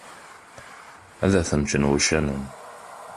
Ad ten-ččen wuccanen.